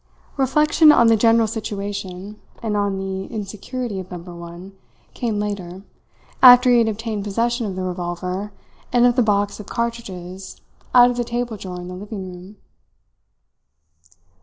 Reflection on the general situation, and on the insecurity of Number One, came later, after he had obtained possession of the revolver and of the box of cartridges out of the table drawer in the living room.